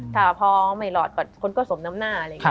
ถ้าพอไม่รอดคนก็สมน้ำหน้า